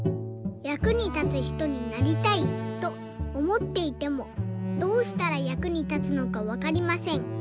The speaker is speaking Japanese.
「役に立つひとになりたいとおもっていてもどうしたら役に立つのかわかりません。